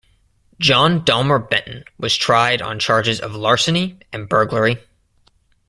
John Dalmer Benton was tried on charges of larceny and burglary.